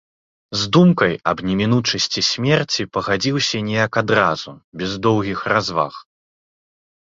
З думкай аб немінучасці смерці пагадзіўся неяк адразу, без доўгіх разваг.